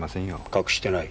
隠してない。